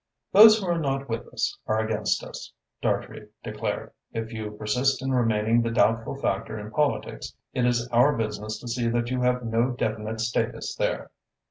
"Those who are not with us are against us," Dartrey declared. "If you persist in remaining the doubtful factor in politics, it is our business to see that you have no definite status there."